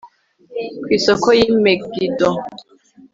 ku isoko y'i megido